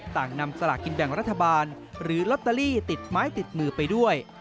ต่างนำสลากกินแบ่งรัฐบาลหรือลอตเตอรี่ติดไม้ติดมือไปด้วย